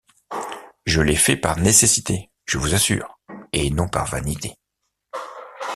Je l’ai fait par nécessité, je vous assure, et non par vanité.